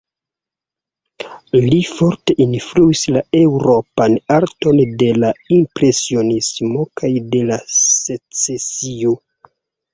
Li forte influis la eŭropan arton de la Impresionismo kaj de la Secesio.